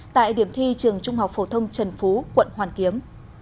tại điểm thi trường trung học phổ thông trần phú quận hoàn kiếm